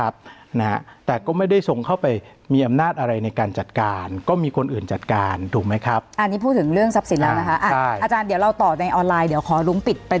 แปลว่าสามารถจัดการตามกฎหมายทั่วไป